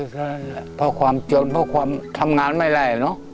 เพราะความเจ็บเพราะความทำงานไม่ได้